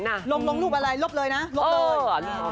ลงรูปอะไรลบเลยนะลบเลย